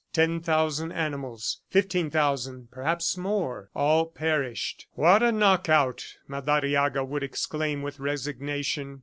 Ten thousand animals, fifteen thousand, perhaps more, all perished! "WHAT a knock out!" Madariaga would exclaim with resignation.